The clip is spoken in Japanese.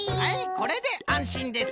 これであんしんです。